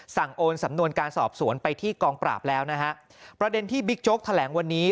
โอนสำนวนการสอบสวนไปที่กองปราบแล้วนะฮะประเด็นที่บิ๊กโจ๊กแถลงวันนี้